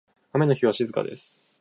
雨の日は静かです。